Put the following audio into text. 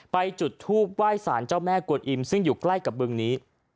จุดทูปไหว้สารเจ้าแม่กวนอิมซึ่งอยู่ใกล้กับบึงนี้